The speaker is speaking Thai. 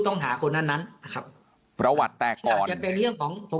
ต้องหาคนนั้นนั้นนะครับประวัติแตกไม่อาจจะเป็นเรื่องของตัว